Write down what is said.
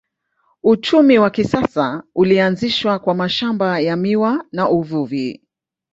Uchumi wa kisasa ulianzishwa kwa mashamba ya miwa na uvuvi.